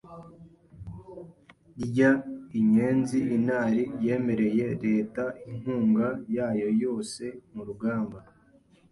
ry inyenzi Unar yemereye Leta inkunga yayo yose mu rugamba